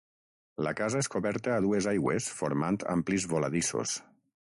La casa és coberta a dues aigües formant amplis voladissos.